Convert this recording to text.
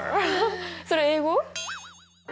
それ英語？